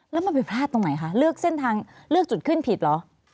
แล้วมันไปพลาดตรงไหนคะเลือกเส้นทางเลือกจุดขึ้นผิดเหรอ